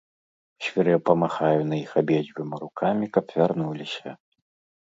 Свірэпа махаю на іх абедзвюма рукамі, каб вярнуліся.